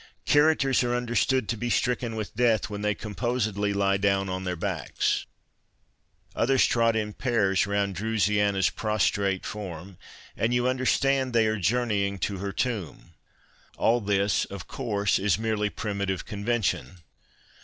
Characters are understood to be stricken with death when they composcdlj^ lie down on their backs. Others trot in pairs round Drusiana's prostrate form and you understand they are journeying to her tomb. All this, of course, is merely primitive " convention."